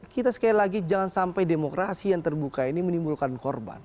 kita sekali lagi jangan sampai demokrasi yang terbuka ini menimbulkan korban